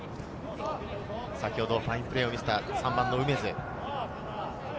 先ほどファインプレーを見せた梅津。